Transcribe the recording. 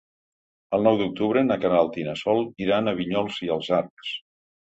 El nou d'octubre na Queralt i na Sol iran a Vinyols i els Arcs.